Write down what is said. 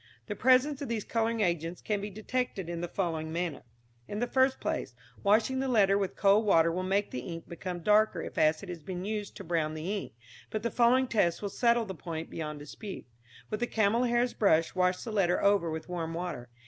The presence of these colouring agents can be detected in the following manner. In the first place, washing the letter with cold water will make the ink become darker if acid has been used to brown the ink, but the following test will settle the point beyond dispute: With a camel's hair brush wash the letter over with warm water.